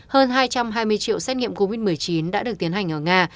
hơn hai trăm hai mươi triệu xét nghiệm covid một mươi chín đã được tiến hành ở nga